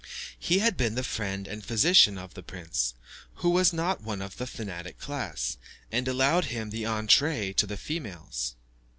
He had been the friend and physician of the prince, who was not one of the fanatic class, and allowed him the entree to the females.